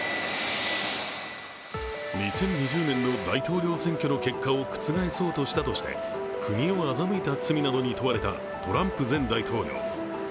２０２０年の大統領選挙の結果を覆そうとしたとして国を欺いた罪などに問われたトランプ前大統領。